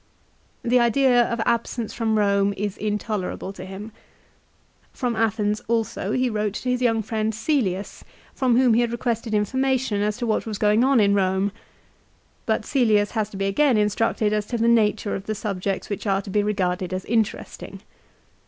The idea of absence from Eome is intolerable to him. From Athens also he wrote to his young friend Caelius from whom he had requested information as to what was going on in Eome. But Cselius has to be again instructed as to the nature of the subjects which are to be regarded as interesting.